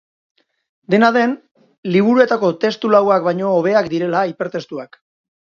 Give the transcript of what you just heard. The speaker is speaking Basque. Dena den, liburuetako testu lauak baino hobeak direla hipertestuak.